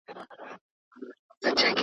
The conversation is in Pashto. زلزله ځمکه په کلکه سره ښوروي.